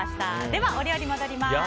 では、お料理に戻ります。